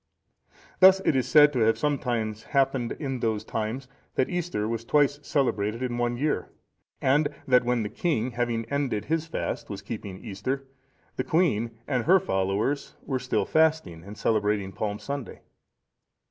Thus it is said to have sometimes happened in those times that Easter was twice celebrated in one year; and that when the king, having ended his fast, was keeping Easter, the queen and her followers were still fasting, and celebrating Palm Sunday.